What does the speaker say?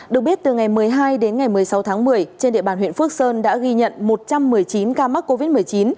được biết từ ngày một mươi hai đến ngày một mươi sáu tháng một mươi trên địa bàn huyện phước sơn đã ghi nhận một trăm một mươi chín ca mắc covid một mươi chín